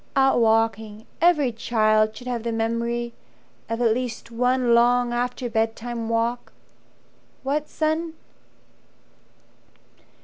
"Out walking. Every child should have the memory Of at least one long after bedtime walk. What, son?"